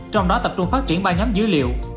trong đó tập trung phát triển ba nhóm dữ liệu